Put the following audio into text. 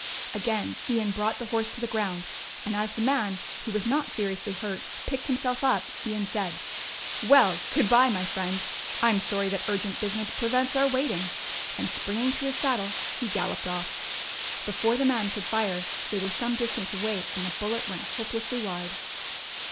Again Ian brought the horse to the ground, and as the man, who was not seriously hurt, picked himself up, Ian said; "Well, good bye, my friend, I am sorry that urgent business prevents our waiting," and springing to his saddle he galloped off. Before the man could fire they were some distance away and the bullet went hopelessly wide.